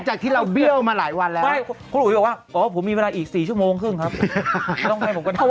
จากที่เราเบี้ยวมาหลายวันแล้วคุณอุ๋ยบอกว่าอ๋อผมมีเวลาอีก๔ชั่วโมงครึ่งครับ